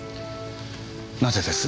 なぜです？